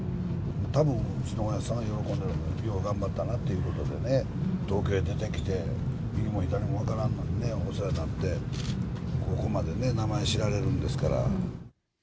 たぶん、うちのおやっさんは喜んでる、よう頑張ったないうことでね、東京出てきて、右も左も分からんのにね、お世話になって、ここまで名前知られるんですから。